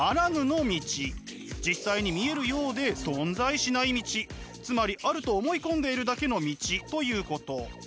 実際に見えるようで存在しない道つまりあると思い込んでいるだけの道ということ。